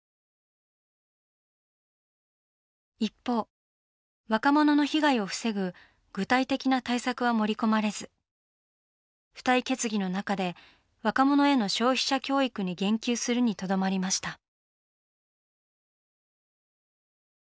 一方若者の被害を防ぐ具体的な対策は盛り込まれず附帯決議の中で若者への消費者教育に言及するにとどまりました。